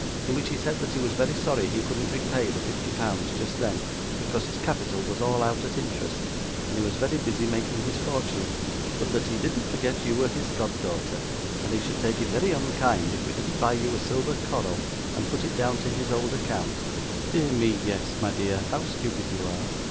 In which he said that he was very sorry he couldn't repay the fifty pounds just then, because his capital was all out at interest, and he was very busy making his fortune, but that he didn't forget you were his god daughter, and he should take it very unkind if we didn't buy you a silver coral and put it down to his old account? Dear me, yes, my dear, how stupid you are!